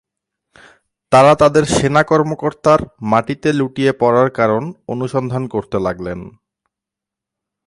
তারা তাদের সেনা কর্মকর্তার মাটিতে লুটিয়ে পড়ার কারণ অনুসন্ধান করতে লাগলেন।